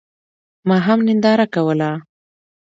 ما هم ننداره کوله.